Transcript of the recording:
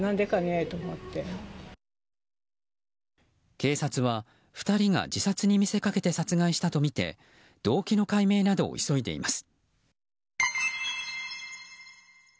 警察は２人が自殺に見せかけて殺害したとみて動機の解明などを急いでいます。